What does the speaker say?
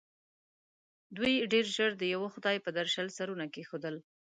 دوی ډېر ژر د یوه خدای پر درشل سرونه کېښول.